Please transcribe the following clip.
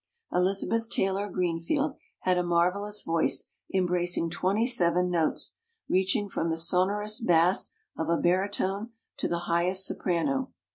Elizabeth Taylor Greenfield had a marvelous voice embracing twenty seven notes, reaching from the sonorous bass of a baritone to the highest soprano.